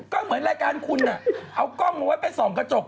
ก็เหมือนรายการคุณเอากล้องเอาไว้ไปส่องกระจก